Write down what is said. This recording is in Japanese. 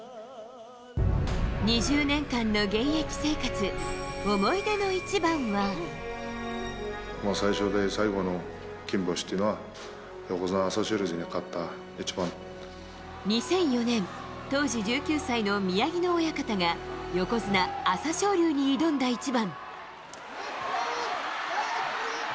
２０年間の現役生活、思い出最初で最後の金星というのは、２００４年、当時１９歳の宮城野親方が、横綱・朝青龍に挑んだ一番。